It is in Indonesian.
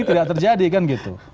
tidak terjadi kan gitu